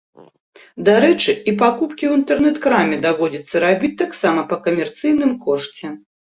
Дарэчы, і пакупкі ў інтэрнэт-краме даводзіцца рабіць таксама па камерцыйным кошце.